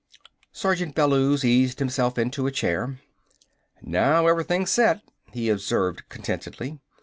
Sergeant Bellews eased himself into a chair. "Now everything's set," he observed contentedly.